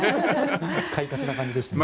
快活な感じでしたね。